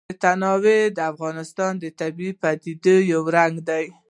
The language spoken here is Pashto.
تنوع د افغانستان د طبیعي پدیدو یو رنګ دی.